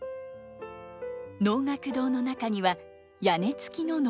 能楽堂の中には屋根付きの能舞台が。